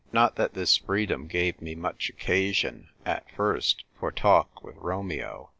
Not that this freedom gave me much occasion (at first) for talk with Romeo.